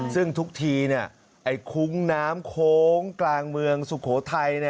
ซึ่งทุกทีไหนไอ้คุ้งน้ำโขงกลางเมืองสุโขทัยเนี่ย